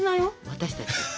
私たち。